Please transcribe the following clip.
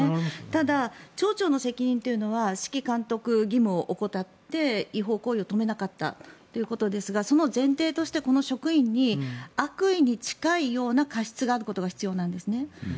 ただ、町長の責任というのは指揮監督義務を怠って違法行為を止めなかったということですがその前提としてこの職員に悪意に近いような過失があることが必要なんですね。